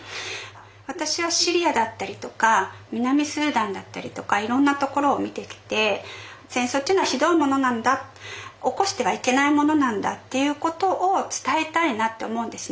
私はシリアだったりとか南スーダンだったりとかいろんなところを見てきて戦争っていうのはひどいものなんだ起こしてはいけないものなんだっていうことを伝えたいなって思うんですね